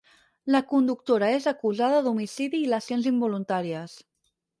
La conductora és acusada ‘d’homicidi i lesions involuntàries’.